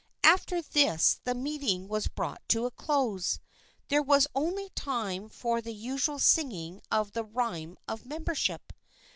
After this the meeting was brought to a close. There was only time for the usual singing of the Rhyme of Membership.